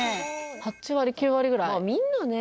８割９割ぐらいまあみんなね